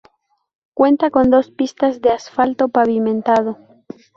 Cuenta con dos pistas de asfalto pavimentado.